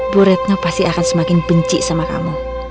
bu retno pasti akan semakin benci sama kamu